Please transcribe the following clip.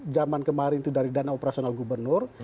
zaman kemarin itu dari dana operasional gubernur